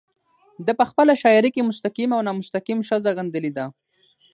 ده په خپله شاعرۍ کې مستقيم او نامستقيم ښځه غندلې ده